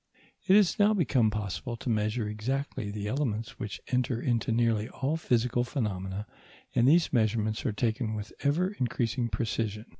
It has now become possible to measure exactly the elements which enter into nearly all physical phenomena, and these measurements are taken with ever increasing precision.